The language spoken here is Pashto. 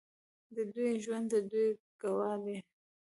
د دوی ژوند د دوی ګواه دی.